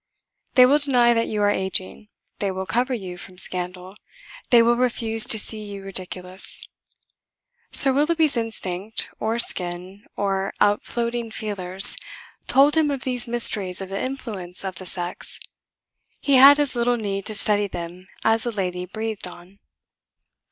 They will deny that you are ageing, they will cover you from scandal, they will refuse to see you ridiculous. Sir Willoughby's instinct, or skin, or outfloating feelers, told him of these mysteries of the influence of the sex; he had as little need to study them as a lady breathed on.